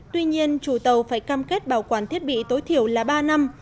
tuy nhiên chủ tàu phải cam kết bảo quản thiết bị tối thiểu là ba năm